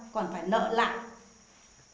còn phải lỡ lại